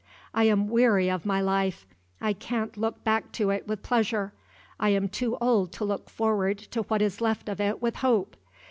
I am weary of my life. I can't look back to it with pleasure. I am too old to look forward to what is left of it with hope.